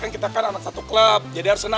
kan kita kan anak satu klub jadi harus senasib